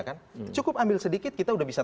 kan cukup ambil sedikit kita udah bisa